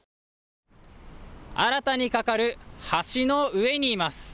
新たに架かる橋の上にいます。